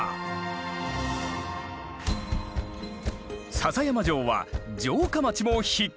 篠山城は城下町も必見！